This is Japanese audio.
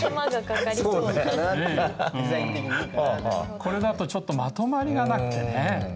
これだとちょっとまとまりがなくてね。